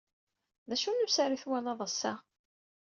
D acu n usaru ay twalad ass-a?